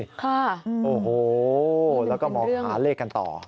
ค่ะโอ้โหแล้วก็มองหาเลขกันต่อ